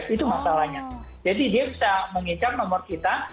itu masalahnya jadi dia bisa mengejar nomor kita